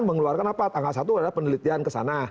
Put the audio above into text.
mengeluarkan apa tanggal satu adalah penelitian kesana